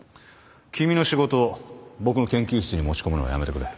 君の仕事を僕の研究室に持ち込むのはやめてくれ